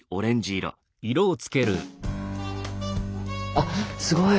あすごい！